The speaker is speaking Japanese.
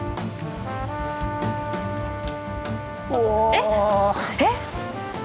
えっえっ？